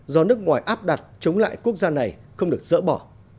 do nước ngoài áp đặt chống lại quốc gia này không được dỡ bỏ